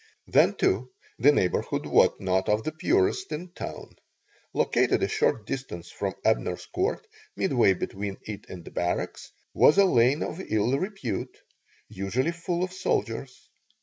Then, too, the neighborhood was not of the purest in town. Located a short distance from Abner's Court, midway between it and the barracks, was a lane of ill repute, usually full of soldiers.